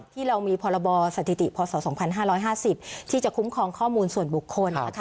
ที่เรามีพรบสถิติพศ๒๕๕๐ที่จะคุ้มครองข้อมูลส่วนบุคคลนะคะ